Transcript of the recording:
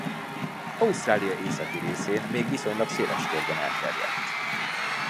Ausztrália északi részén még viszonylag széles körben elterjedt.